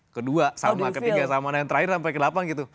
kedua sama ketiga sama nah yang terakhir sampai ke delapan gitu